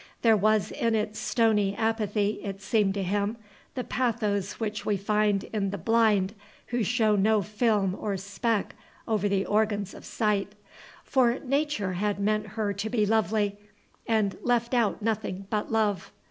There was in its stony apathy, it seemed to him, the pathos which we find in the blind who show no film or speck over the organs of sight; for Nature had meant her to be lovely, and left out nothing but love.